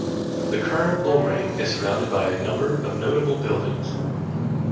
The current Bull Ring is surrounded by a number of notable buildings.